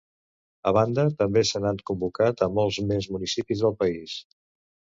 A banda, també se n’han convocat a molts més municipis del país.